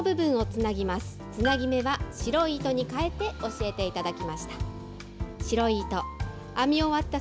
つなぎ目は白い糸に変えて教えていただきました。